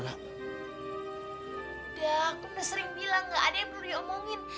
aku udah sering bilang gak ada yang perlu diomongin